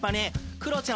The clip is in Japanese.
クロちゃん